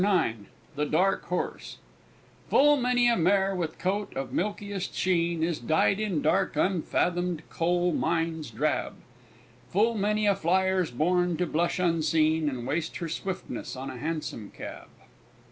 CHAPTER IX THE DARK HORSE Full many a mare with coat of milkiest sheen, Is dyed in dark unfathomed coal mines drab; Full many a flyer's born to blush unseen, And waste her swiftness on a hansom cab.